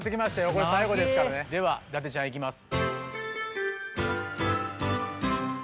これ最後ですからねでは伊達ちゃんいきます